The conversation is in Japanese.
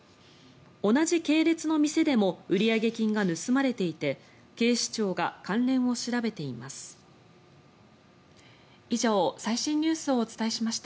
同じ系列の店でも売上金が盗まれていて警視庁が関連を調べています。